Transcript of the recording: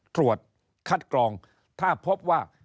ตรวจคัดกรองถ้าพบว่า